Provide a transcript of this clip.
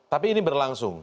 tapi ini berlangsung